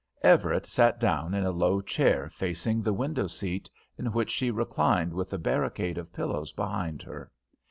Everett sat down in a low chair facing the window seat in which she reclined with a barricade of pillows behind her.